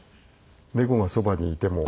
猫がそばにいても。